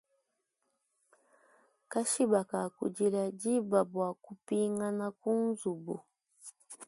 Kashiba kakudila diba bwa kupinga kunzubu.